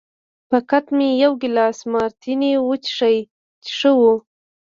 فقط مې یو ګیلاس مارتیني وڅښی چې ښه و.